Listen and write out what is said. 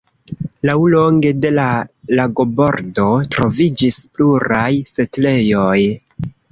Laŭlonge de la lagobordo troviĝis pluraj setlejoj.